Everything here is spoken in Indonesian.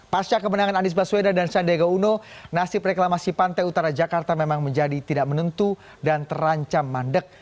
pasca kemenangan anies baswedan dan sandiaga uno nasib reklamasi pantai utara jakarta memang menjadi tidak menentu dan terancam mandek